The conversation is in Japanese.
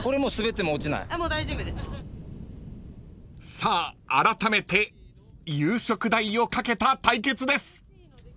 ［さああらためて夕食代をかけた対決です］